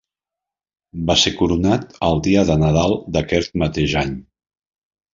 Va ser coronat el dia de Nadal d'aquest mateix any.